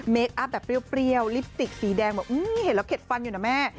คอัพแบบเปรี้ยวลิปสติกสีแดงบอกเห็นแล้วเข็ดฟันอยู่นะแม่